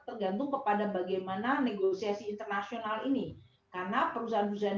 tergantung kepada bagaimana negosiasi internasional ini karena perusahaan perusahaan